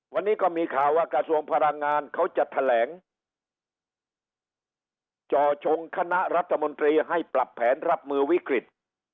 วันนี้ก็มีข่าวว่ากระทรวงพลังงานเขาจะแถลงจ่อชงคณะรัฐมนตรีให้ปรับแผนรับมือวิกฤต